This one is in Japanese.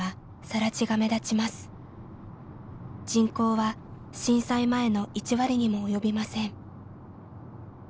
人口は震災前の１割にも及びません。